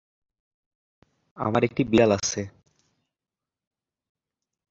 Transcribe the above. বিশ্বে সবমিলিয়ে কত ভাষা আছে, তা অজানা।